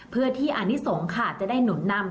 เพื่อที่อนิสงฆ์ค่ะจะได้หนุนนำ